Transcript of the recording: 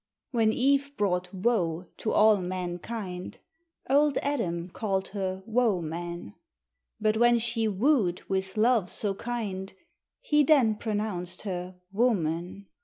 When Eve brought woe to all mankind Old Adam called her wo man; But when she wooed with love so kind, He then pronounced her woo man.